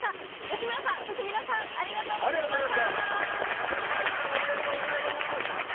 吉村さん、そして皆さんありがとうございました！